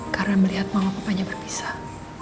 karena melihat mama papanya berpisah